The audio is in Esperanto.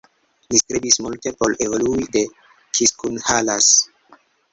Li strebis multe por evoluo de Kiskunhalas.